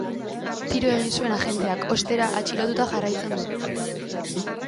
Tiro egin zuen agenteak, ostera, atxilotuta jarraitzen du.